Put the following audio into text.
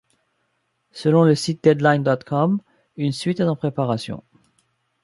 Selon le site Deadline.com, une suite est en préparation.